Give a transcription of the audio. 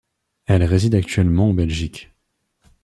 Elle réside actuellement en Belgique.